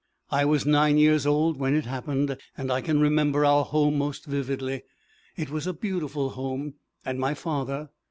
I was nine years old when it happened, and I can remember our home most vividly. It was a beautiful home. And my father!